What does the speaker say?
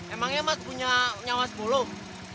emangnya mas punya nyawas belum